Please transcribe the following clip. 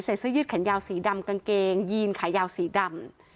เสื้อยืดแขนยาวสีดำกางเกงยีนขายาวสีดำ